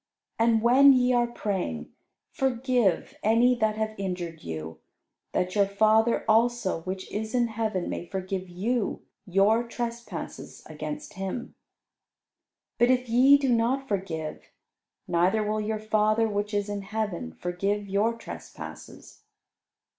And when ye are praying, forgive any that have injured you, that your Father also which is in heaven may forgive you your trespasses against Him. But if ye do not forgive, neither will your Father which is in heaven forgive your trespasses."